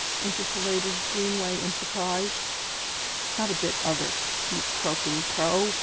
interpolated Greenway in surprise. "Not a bit of it, you croaking crow!"